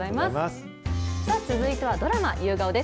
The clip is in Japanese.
続いては、ドラマ夕顔です。